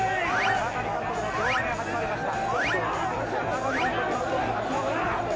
川上監督の胴上げが始まりました。